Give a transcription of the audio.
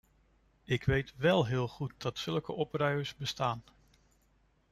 Ik weet wél heel goed dat zulke opruiers bestaan.